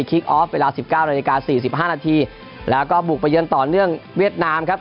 คิกออฟเวลาสิบเก้านาฬิกาสี่สิบห้านาทีแล้วก็บุกไปเยือนต่อเนื่องเวียดนามครับ